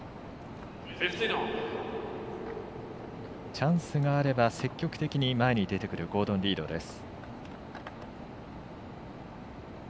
チャンスがあれば積極的に前に出てくるゴードン・リードです。